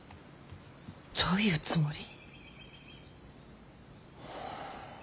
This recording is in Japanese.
どういうつもり。